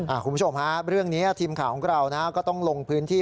คุณผู้ชมฮะเรื่องนี้ทีมข่าวของเรานะก็ต้องลงพื้นที่